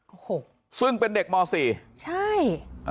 โอ้โหซึ่งเป็นเด็กม๔ใช่